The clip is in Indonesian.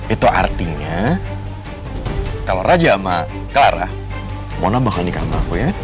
itu artinya kalau raja sama clara mohonlah bahkan nikah sama aku ya